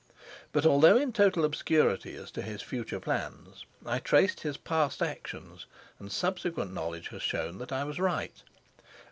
But although in total obscurity as to his future plans, I traced his past actions, and subsequent knowledge has shown that I was right.